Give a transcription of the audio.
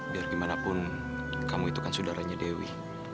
biar gimana pun kamu itu kan saudaranya dewi